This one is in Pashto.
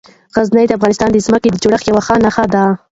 غزني د افغانستان د ځمکې د جوړښت یوه ښه نښه ده.